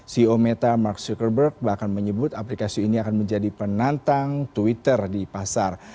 ceo meta mark zuckerberg bahkan menyebut aplikasi ini akan menjadi penantang twitter di pasar